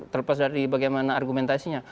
terlepas dari bagaimana argumentasinya